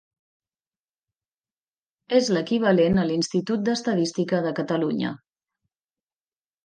És l'equivalent a l'Institut d'Estadística de Catalunya.